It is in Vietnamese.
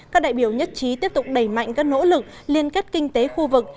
các đại biểu nhất trí tiếp tục đẩy mạnh các nỗ lực liên kết kinh tế khu vực